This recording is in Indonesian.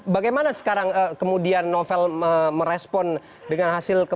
bagaimana sekarang kemudian novel merespon dengan hasil